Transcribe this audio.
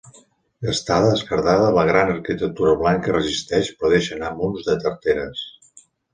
Gastada, esquerdada, la gran arquitectura blanca resisteix, però deixa anar munts de tarteres.